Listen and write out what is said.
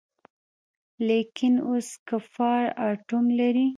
لکېن اوس کفار آټوم لري.